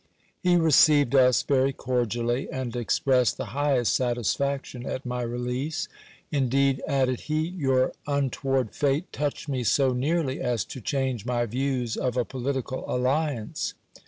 He received us very cordially, and expressed the highest satisfaction at my release. Indeed, added he, your untoward fate touched me so nearly as to change my views of a political alliance.